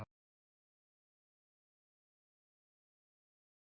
โปรดติดตามตอนต่อไป